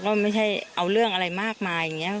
ก็ไม่ใช่เอาเรื่องอะไรมากมายอย่างนี้